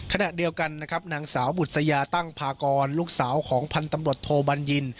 ขณะเดียวกันนะครับนางสาวบุษยาตั้งพากรลูกสาวของพันธ์ตำรวจโทบัญญิน